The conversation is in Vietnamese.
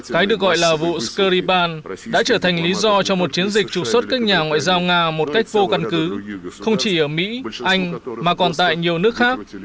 cái được gọi là vụ skripal đã trở thành lý do cho một chiến dịch trục xuất các nhà ngoại giao nga một cách vô căn cứ không chỉ ở mỹ anh mà còn tại nhiều nước khác